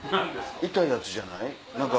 痛いやつじゃない？